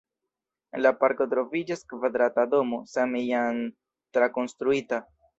En la parko troviĝas kvadrata domo, same jam trakonstruita.